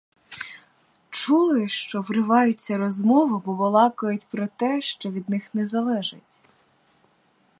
Чули, що вривається розмова, бо балакають про те, що від них не залежить.